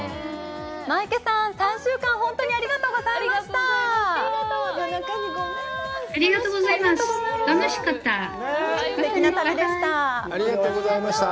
マイケさん、３週間、本当にありがとうございました。